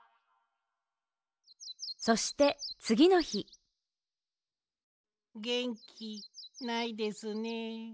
そしてつぎのひげんきないですね。